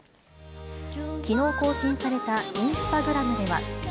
きのう更新されたインスタグラムでは。